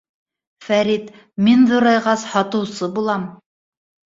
— Фәрит, мин ҙурайғас, һатыусы булам.